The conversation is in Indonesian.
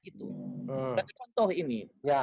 sebagai contoh ini